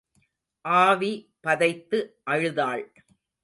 ஆவி பதைத்து அழுதாள்.